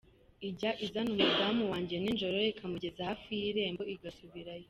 ijya izana umudamu wanjye nijoro ikamugeza hafi y’irembo igasubirayo.